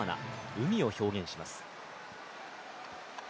海を表現します。